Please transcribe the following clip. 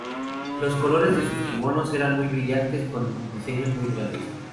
Los colores de sus kimonos eran muy brillantes, con diseños muy grandes.